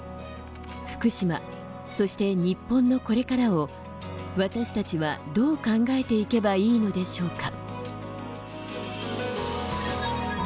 福島、そして日本のこれからを私たちは、どう考えていけばいいのでしょうか？